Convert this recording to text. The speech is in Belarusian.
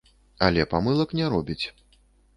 Але памылак не робіць.